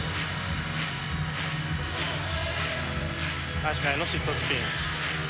足換えのシットスピン。